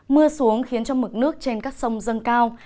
mưa xuống khiến cho mực nước trên các sông dâng cao